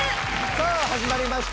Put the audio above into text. さぁ始まりました